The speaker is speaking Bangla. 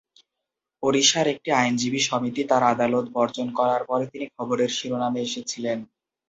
ওড়িশার একটি আইনজীবী সমিতি তাঁর আদালত বর্জন করার পরে তিনি খবরের শিরোনামে এসেছিলেন।